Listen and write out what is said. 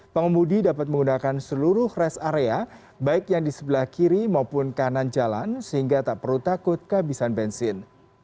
pengemudi dapat menggunakan seluruh rest area baik yang di sebelah kiri maupun kanan jalan sehingga tak perlu takut kehabisan bensin